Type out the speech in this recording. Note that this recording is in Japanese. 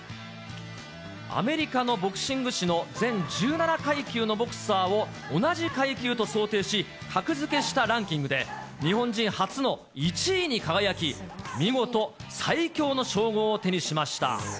アメリカのボクシング誌の全１７階級のボクサーを同じ階級と想定し、格付けしたランキングで、日本人初の１位に輝き、見事、最強の称号を手にしました。